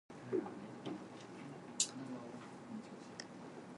Emerald Bay has also been declared a National Natural Landmark.